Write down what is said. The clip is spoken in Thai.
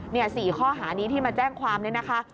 ๔ข้อหานี้ที่มาแจ้งความเนี่ยนะคะ